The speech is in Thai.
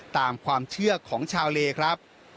ตามความเชื่อของชาวเลครับ